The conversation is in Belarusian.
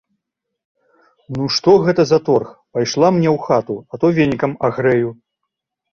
Ну, што гэта за торг, пайшла мне ў хату, а то венікам агрэю.